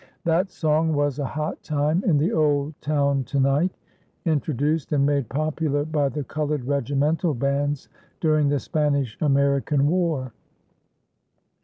That song was "A Hot Time in the Old Town To night"; introduced and made popular by the colored regimental bands during the Spanish American War.